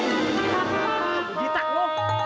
gua citak lu